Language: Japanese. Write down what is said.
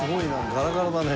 ガラガラだね。